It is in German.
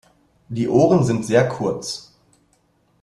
Die Ohren sind sehr kurz.